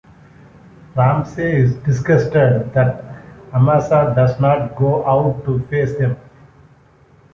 Ramsay is disgusted that Amasa does not go out to face them.